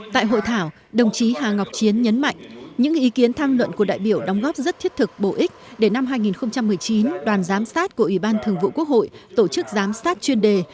tại hội thảo đồng chí hà ngọc chiến nhấn mạnh những ý kiến tham luận của đại biểu đóng góp rất thiết thực bổ ích để năm hai nghìn một mươi chín đoàn giám sát của ủy ban thường vụ quốc hội tổ chức giám sát chuyên đề